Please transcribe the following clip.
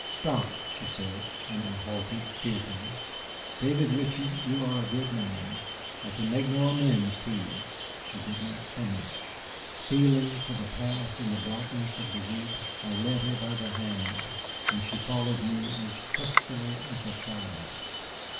"Stop," she said, and I halted fearfully. "David Ritchie, you are a good man. I can make no amends to you," she did not finish. Feeling for the path in the blackness of the wood, I led her by the hand, and she followed me as trustfully as a child.